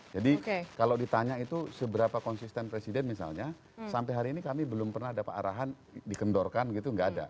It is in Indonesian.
jadi kalau ditanya itu seberapa konsisten presiden misalnya sampai hari ini kami belum pernah dapat arahan dikendorkan gitu enggak ada